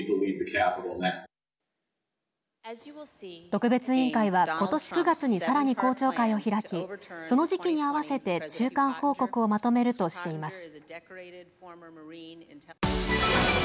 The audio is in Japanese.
特別委員会は、ことし９月にさらに公聴会を開きその時期に合わせて中間報告をまとめるとしています。